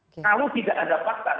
kalau tidak ada fakta